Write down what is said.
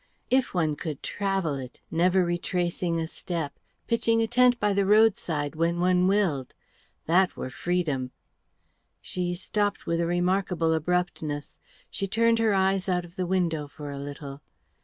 If one could travel it, never retracing a step, pitching a tent by the roadside when one willed! That were freedom!" She stopped with a remarkable abruptness. She turned her eyes out of the window for a little.